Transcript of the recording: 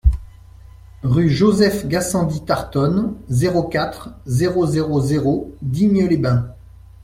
Rue Joseph Gassendy Tartonne, zéro quatre, zéro zéro zéro Digne-les-Bains